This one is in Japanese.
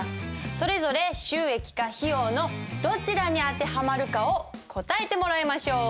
それぞれ収益か費用のどちらに当てはまるかを答えてもらいましょう。